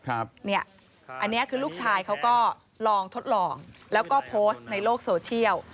อันนี้คือลูกชายเขาก็ลองทดลองแล้วก็โพสต์ในโลกโซเชียล